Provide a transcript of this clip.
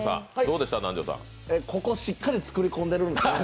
ここ、しっかり造り込んでるんですね。